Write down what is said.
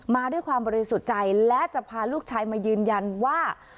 มาด้วยความบริสุทธิ์ใจและจะพาลูกชายมายืนยันว่า